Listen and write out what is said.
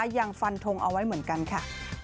ยังฟันทงเอาไว้เหมือนกันค่ะ